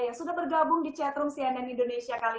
yang sudah bergabung di chat ini